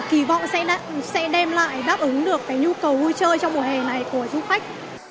kỳ vọng sẽ đem lại đáp ứng được cái nhu cầu vui chơi trong mùa hè này của du khách